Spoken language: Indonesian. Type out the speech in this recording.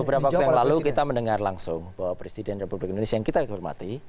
beberapa waktu yang lalu kita mendengar langsung bahwa presiden republik indonesia yang kita hormati